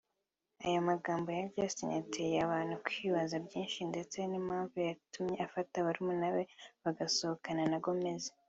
Aya magambo ya Justin yateye abantu kwibaza byinshi ndetse n’impamvu yatumye afata barumuna be bagasohokana na Gomez